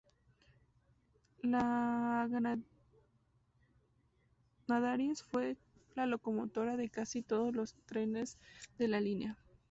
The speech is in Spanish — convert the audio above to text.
La Gandarias fue la locomotoras de casi todos los trenes de la línea.